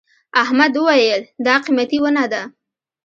احمد وويل: دا قيمتي ونه ده.